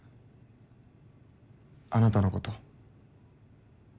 あなたのこと。